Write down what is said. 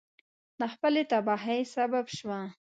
د خپلې تباهی سبب سوه.